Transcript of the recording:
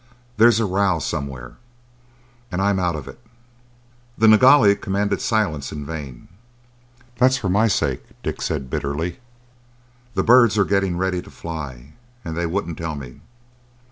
There's a row somewhere, and—I'm out of it!" The Nilghai commanded silence in vain. "That's for my sake," Dick said bitterly. "The birds are getting ready to fly, and they wouldn't tell me.